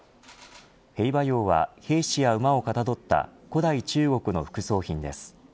兵馬俑は、兵士や馬をかたどった古代中国の副葬品です。